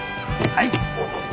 はい。